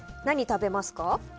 何を食べますか？